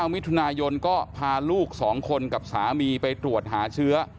มิถุนายนก็พาลูก๒คนกับสามีไปตรวจหาเชื้อ